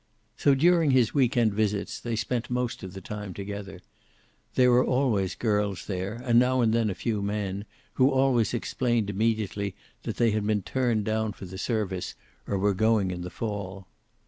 So, during his week end visits, they spent most of the time together. There were always girls there, and now and then a few men, who always explained immediately that they had been turned down for the service, or were going in the fall.